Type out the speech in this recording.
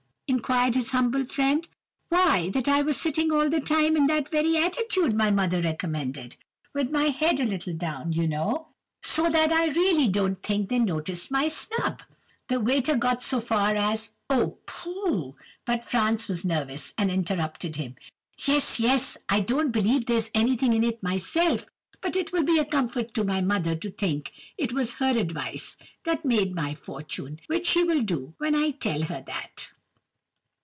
—' inquired his humble friend. "'Why, that I was sitting all the time in that very attitude my mother recommended—with my head a little down, you know—so that I really don't think they noticed my snub.' "The waiter got as far as, 'Oh, pooh!' but Franz was nervous, and interrupted him. "'Yes—yes! I don't believe there's anything in it myself; but it will be a comfort to my mother to think it was her advice that made my fortune, which she will do when I tell her that!